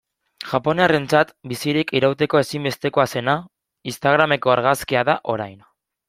Japoniarrentzat bizirik irauteko ezinbestekoa zena, instagrameko argazkia da orain.